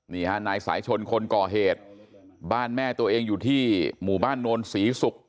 นี่ฮะนายสายชนคนก่อเหตุบ้านแม่ตัวเองอยู่ที่หมู่บ้านโนนศรีศุกร์